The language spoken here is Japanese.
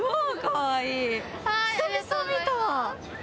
久々見た。